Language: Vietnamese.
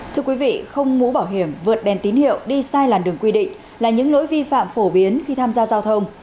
thưa quý vị không mũ bảo hiểm vượt đèn tín hiệu đi sai làn đường quy định là những lỗi vi phạm phổ biến khi tham gia giao thông